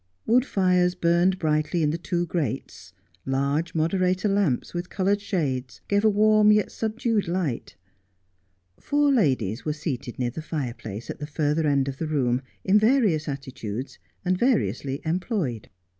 Wood fires burned brightly in the two grates. Large moderator lamps, with coloured shades, gave a warm, yet subdued light. Four ladies were seated near the fireplace at the further end of the room, in various attitudes, and variously employed.